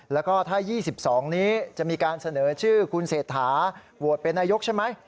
แล้วก็ถ้า๒๒นี้จะมีการเสนอชื่อคุณเศรษฐาโหวตเป็นนายกใช่ไหม